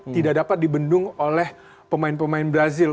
tidak dapat dibendung oleh pemain pemain brazil